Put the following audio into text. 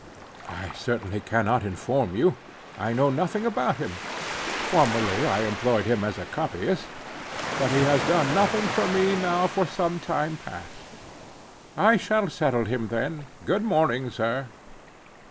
"I certainly cannot inform you. I know nothing about him. Formerly I employed him as a copyist; but he has done nothing for me now for some time past." "I shall settle him then,—good morning, sir."